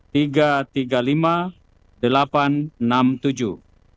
tiga tiga puluh lima delapan enam tujuh